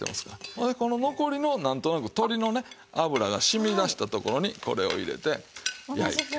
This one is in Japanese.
それでこの残りのなんとなく鶏の脂が染み出したところにこれを入れて焼いて。